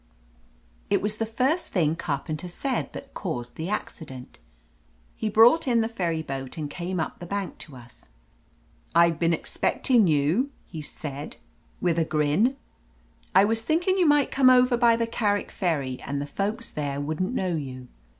It was the first thing Carpenter said that caused the accident. He brought in the ferry boat and came up the bank to us. IVe been expectin' you," he said, with a 282 «T> J OF LETITIA CARBERRY grin. "I was thinkin* you might come over by the Carrick Ferry, and the folks there wouldn't know you."